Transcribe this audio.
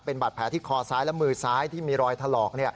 บาดแผลที่คอซ้ายและมือซ้ายที่มีรอยถลอก